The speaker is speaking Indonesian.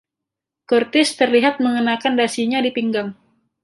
Curtis terlihat mengenakan dasinya di pinggang.